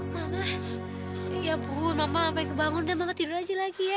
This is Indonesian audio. mama ya ampun mama sampai kebangun dan mama tidur aja lagi ya